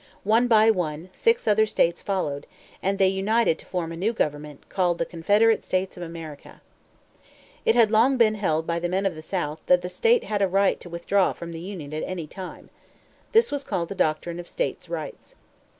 One by one, six other states followed; and they united to form a new government, called the Confederate States of America. It had long been held by the men of the South that a state had the right to withdraw from the Union at any time. This was called the doctrine of States' Rights.